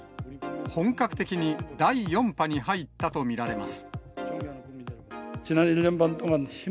本格的に第４波に入ったと見られます。